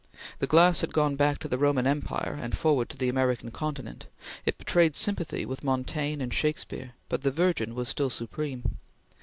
The glass had gone back to the Roman Empire and forward to the American continent; it betrayed sympathy with Montaigne and Shakespeare; but the Virgin was still supreme.